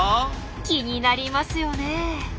気になりますよね。